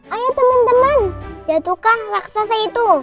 ayo teman teman jatuhkan raksasa itu